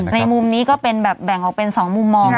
ในมุมนี้ก็แบ่งออกเป็นสองมุมมอง